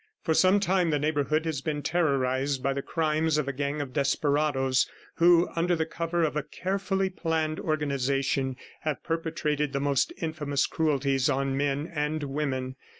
For some time the neighbourhood has been terrorized by the crimes of a gang of desperadoes, who, under the cover of a carefully planned organization, have perpetrated the most infamous cruelties on men and women.